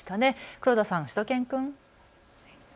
黒田さん、しゅと犬くん。